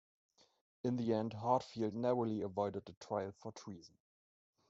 In the end, Heartfield narrowly avoided a trial for treason.